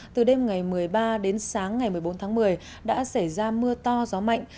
từ đêm ngày một mươi ba đến sáng ngày một mươi bốn tháng một mươi đã xảy ra mưa to gió mạnh